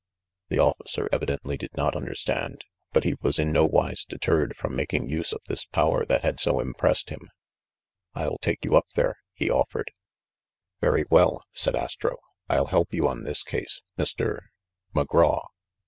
The officer evidently did not understand ; but he was in nowise deterred from making use of this power that had so impressed him. "I'll take you up there," he offered. THE MACDOUGAL STREET AFFAIR 47 "Very well," said Astro. "I'll help you on this case, Mr. —" "McGraw."